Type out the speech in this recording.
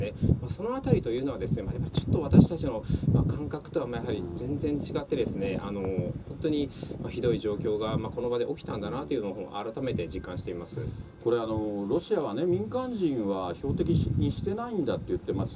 そのあたりというのは、やっぱりちょっと私たちの感覚とは、やはり全然違って、本当にひどい状況が、この場で起きたんだなというのを、これ、ロシアはね、民間人は、標的にしてないんだって言ってます。